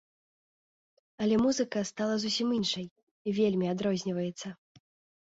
Але музыка стала зусім іншай, вельмі адрозніваецца.